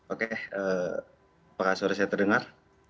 oke apakah sore saya terdengar